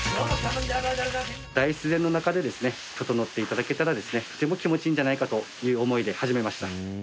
大自然の中でですね整って頂けたらですねとても気持ちいいんじゃないかという思いで始めました。